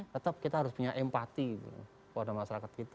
tetap kita harus punya empati kepada masyarakat kita